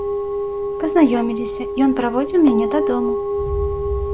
Пазнаёміліся, ён праводзіў мяне дадому.